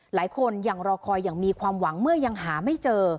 หลายคนยังรอคอยอย่างมีความหวังเมื่อยังหาไม่เจอ